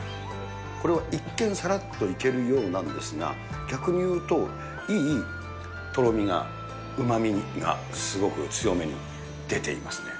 これは、一見さらっといけるようなんですが、逆に言うと、いいとろみが、うまみがすごく強めに出ていますね。